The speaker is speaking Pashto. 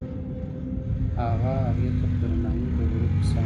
هغه هغې ته په درناوي د غروب کیسه هم وکړه.